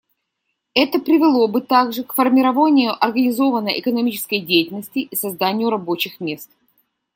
Это привело бы также к формированию организованной экономической деятельности и созданию рабочих мест.